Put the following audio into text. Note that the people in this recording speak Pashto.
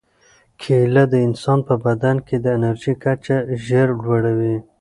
کیله د انسان په بدن کې د انرژۍ کچه ژر لوړوي.